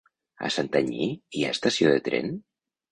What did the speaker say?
A Santanyí hi ha estació de tren?